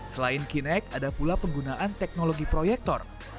selain kinek ada pula penggunaan teknologi proyektor